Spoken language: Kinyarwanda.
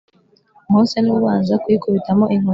Mose ni we ubanza kuyikubitamo inkoni ye